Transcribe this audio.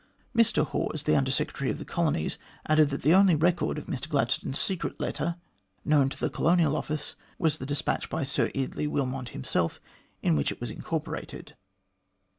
Mr Hawes, the Under secretary for the Colonies, added that the only record of Mr Gladstone's " secret " letter known to the Colonial Office was the despatch by Sir Eardley Wilmot himself, in which it was incorporated.